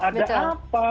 tidak ada apa